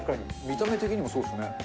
見た目的にもそうですね。